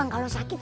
ah dia sakit